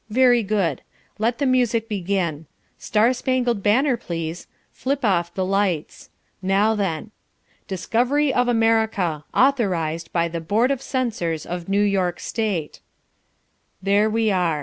Very good. Let the music begin Star Spangled Banner, please flip off the lights. Now then. DISCOVERY OF AMERICA AUTHORIZED BY THE BOARD OF CENSORS OF NEW YORK STATE There we are.